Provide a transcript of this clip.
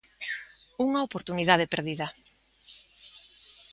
"Unha oportunidade perdida".